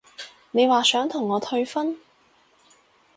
你話想同我退婚？